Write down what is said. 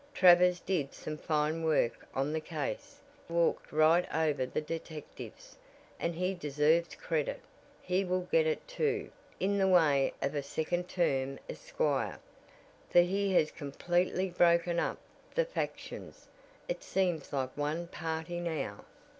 Travers did some fine work on the case, walked right over the detectives, and he deserves credit. He will get it too, in the way of a second term as squire, for he has completely broken up the factions it seems like one party now."